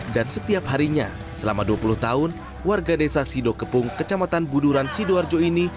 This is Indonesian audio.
dan setiap harinya selama dua puluh tahun warga desa sido kepung kecamatan buduran sidoarjo ini